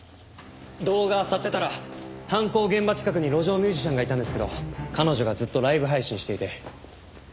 動画をあさってたら犯行現場近くに路上ミュージシャンがいたんですけど彼女がずっとライブ配信していて。